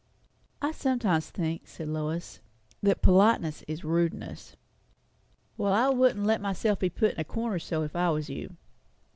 "I sometimes think," said Lois, "that politeness is rudeness." "Well, I wouldn't let myself be put in a corner so, if I was you."